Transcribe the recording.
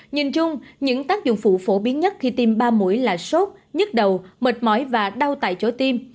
nhìn chung những tác dụng phụ phổ biến nhất khi tiêm ba mũi là sốt nhức đầu mệt mỏi và đau tại chỗ tim